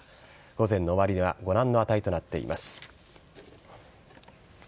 午前の終値はご覧の値となっています。